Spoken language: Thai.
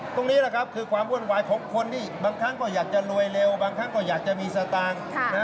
ตรงนี้แหละครับคือความวุ่นวายของคนที่บางครั้งก็อยากจะรวยเร็วบางครั้งก็อยากจะมีสตางค์